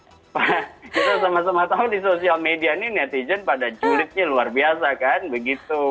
kita sama sama tahu di sosial media ini netizen pada julidnya luar biasa kan begitu